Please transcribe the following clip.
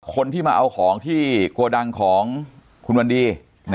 คนที่มาเอาของที่โกดังของคุณวันดี